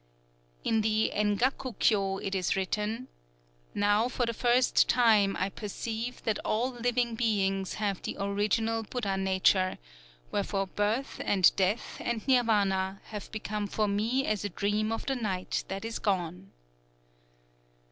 _" "_In the Engaku Kyō it is written: 'Now for the first time I perceive that all living beings have the original Buddha nature, wherefore Birth and Death and Nirvana have become for me as a dream of the night that is gone.